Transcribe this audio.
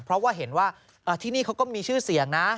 เพราะว่าเห็นว่าที่นี่เขาก็มีชื่อเสียงนะ